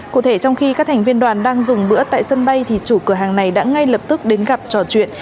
cụ thể trong khi các thành viên đoàn đang dùng bữa tại sân bay thì chủ cửa hàng này đã ngay lập tức đến gặp trò chuyện